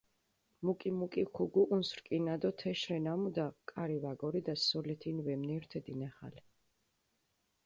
მუკ-მუკი ქუგუჸუნს რკინა დო თეშ რე ნამუდა, კარი ვაგორიდა სოლეთინ ვემნირთე დინახალე.